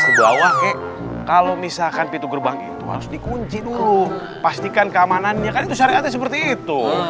ke bawah kalau misalkan pintu gerbang itu harus dikunci dulu pastikan keamanannya seperti itu